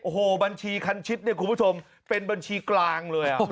โอ้โหบัญชีคันชิดเนี่ยคุณผู้ชมเป็นบัญชีกลางเลย